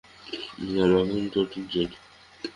হাঁ, ব্রাহ্মণ, চাটুজ্জে।